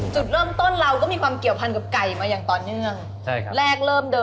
จุดเริ่มต้นเราก็มีความเกี่ยวภัณฑ์กับไก่มาอย่างตอนนี้